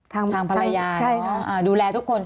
ทางภรรยาดูแลทุกคน